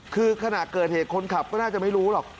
คือขณะเกิดเหตุคนขับก็น่าจะไม่รู้หรอก